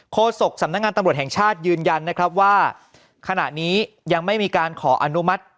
โศกสำนักงานตำรวจแห่งชาติยืนยันนะครับว่าขณะนี้ยังไม่มีการขออนุมัติ